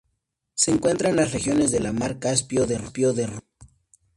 Se encuentra en las regiones de la Mar Caspio de Rusia.